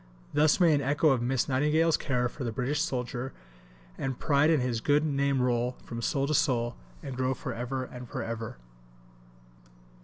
Thus may an echo of Miss Nightingale's care for the British soldier and pride in his good name roll from soul to soul, and grow for ever and for ever.